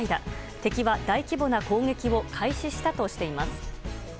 敵は大規模な攻撃を開始したとしています。